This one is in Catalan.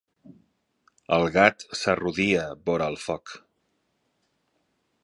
El gat s'arrodia vora el foc.